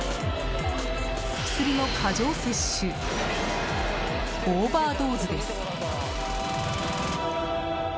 薬の過剰摂取オーバードーズです。